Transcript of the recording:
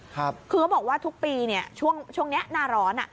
คือเขาบอกว่าทุกปีเนี่ยช่วงนี้หน้าร้อนอ่ะ